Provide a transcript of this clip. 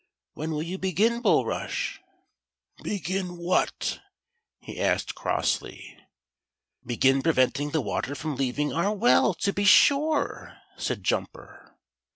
'* When will you begin, Bulrush .*"" Begin what ?" he asked crossly. " Begin preventing the water from leaving our well, to be sure," said Juniper.